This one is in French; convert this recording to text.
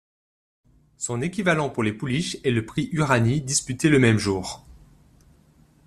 Son équivalent pour les pouliches est le Prix Uranie disputé le même jour.